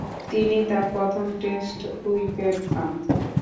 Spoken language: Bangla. তিনি তার প্রথম টেস্ট উইকেট পান।